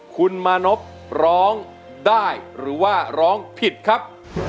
คุณมานพร้องได้หรือว่าร้องผิดครับ